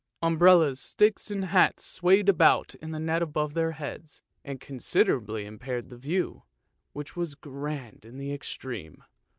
Umbrellas, sticks, and hats swayed about in the net above their heads, and considerably impaired the view, which was grand in the extreme.